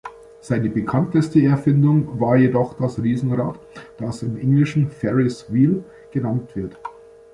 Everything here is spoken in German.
Seine bekannteste Erfindung war jedoch das Riesenrad, das im Englischen „Ferris Wheel“ genannt wird.